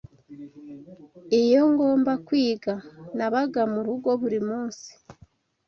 Iyo ngomba kwiga, nabaga murugo buri munsi.